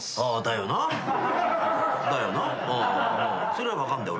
それは分かるんだよ